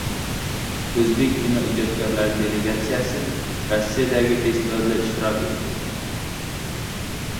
O‘zbek kinoijodkorlari delegasiyasi Rossiyadagi festivalda ishtirok etdi